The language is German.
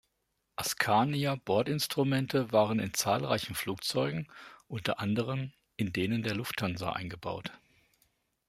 Askania-Bordinstrumente waren in zahlreichen Flugzeugen, unter anderem in denen der Lufthansa, eingebaut.